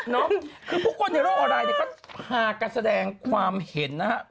น้องคือผู้คนในร่องออไลน์ก็พากันแสดงความเห็นนะครับ